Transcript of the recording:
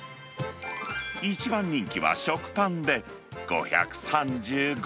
一番人気は食パンで、５３５円。